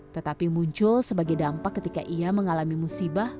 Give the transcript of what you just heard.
tetapi muncul sebagai dampak ketika ia mengalami musibah